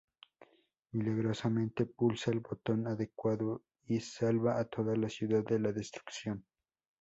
Milagrosamente, pulsa el botón adecuado, y salva a toda la ciudad de la destrucción.